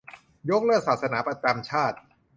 - ยกเลิกศาสนาประจำชาติ